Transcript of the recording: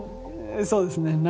そうですね。